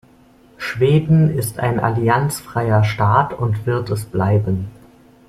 Schweden ist ein allianzfreier Staat und wird es bleiben.